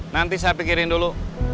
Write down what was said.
nanti saya pikirin dulu